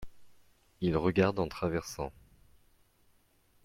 il regarde en traversant.